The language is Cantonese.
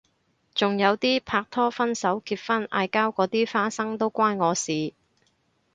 仲有啲拍拖分手結婚嗌交嗰啲花生都關我事